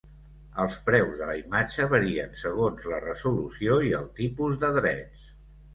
Els preus de la imatge varien segons la resolució i el tipus de drets.